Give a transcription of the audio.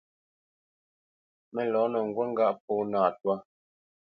Mə lɔ̌nə ŋgút ŋgâʼ pó nâ twá.